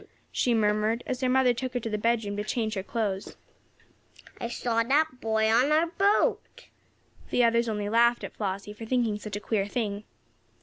she murmured, as her mother took her to the bedroom to change her clothes. "I saw that boy on our boat." The others only laughed at Flossie for thinking such a queer thing.